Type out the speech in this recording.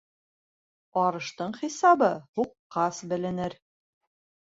Арыштың хисабы һуҡҡас беленер.